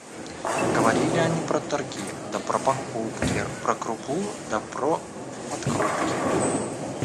Говорили они про торги да про покупки, про крупу да про подкрупки.